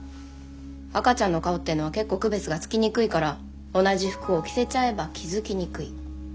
赤ちゃんの顔っていうのは結構区別がつきにくいから同じ服を着せちゃえば気付きにくい。